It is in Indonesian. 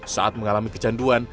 saat mengalami kecanduan